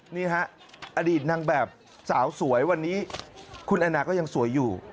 นี่ฮะอดีตนางแบบสาวสวยวันนี้คุณแอนนาก็ยังสวยอยู่